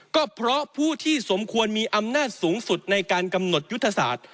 ก็เพราะผู้ที่สมควรมีอำนาจสูงสุดในการกำหนดยุทธศาสตร์